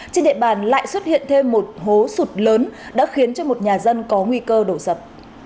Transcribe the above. trên địa bàn lại xuất hiện thêm một hố sụt lớn đã khiến cho một nhà dân có nguy cơ đổ sập